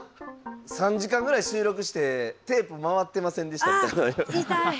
３時間ぐらい収録してテープ回ってませんでしたみたいな。